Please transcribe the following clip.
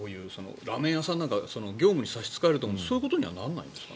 ラーメン屋さんなんか業務に差し支えるからそういうことにならないんですか。